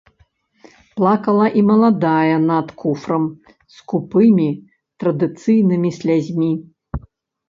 Плакала і маладая над куфрам скупымі традыцыйнымі слязьмі.